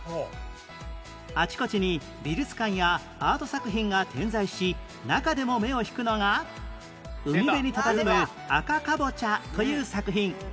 あちこちに美術館やアート作品が点在し中でも目を引くのが海辺にたたずむ『赤かぼちゃ』という作品